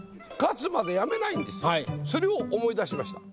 それを思い出しました。